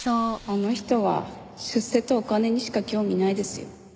あの人は出世とお金にしか興味ないですよ。